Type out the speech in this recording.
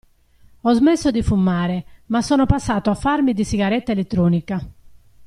Ho smesso di fumare, ma sono passato a farmi di sigaretta elettronica.